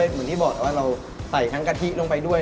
เหมือนที่บอกว่าเราใส่ทั้งกะทิลงไปด้วย